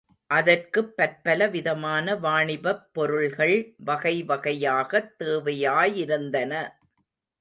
அதற்குப் பற்பல விதமான வாணிபப் பொருள்கள் வகை வகையாகத் தேவையாயிருந்தன.